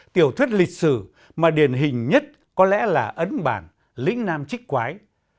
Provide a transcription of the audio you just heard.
tiểu thuyết lịch sử mà điền hình nhất có lẽ là ấn bản lĩnh nam chích quái